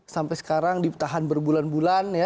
sampai sekarang ditahan berbulan bulan ya